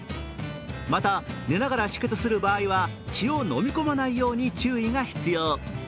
また、寝ながら止血する場合は血を飲み込まないように注意が必要。